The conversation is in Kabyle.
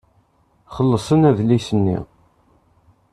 Xellṣen adlis-nni.